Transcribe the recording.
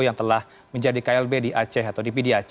yang telah menjadi klb di aceh atau di pdac